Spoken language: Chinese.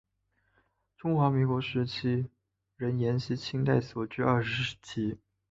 中华民国时期仍沿袭清代所置二十旗。